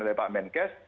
oleh pak menkes